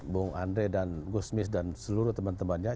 bung andre dan gusmis dan seluruh teman temannya